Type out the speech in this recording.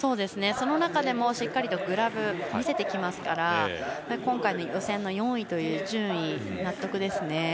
その中でもしっかりとグラブを見せてきますから今回の予選の４位という順位も納得ですね。